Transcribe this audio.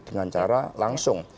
dengan cara langsung